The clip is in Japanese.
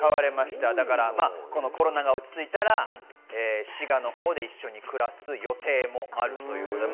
コロナが落ち着いたら、滋賀のほうで一緒に暮らす予定もあるということです。